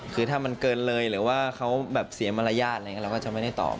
คือถ้ามันเกินเลยเหรอว่าเขาสีอามารยาทอะไรก็จะไม่ได้ตอบ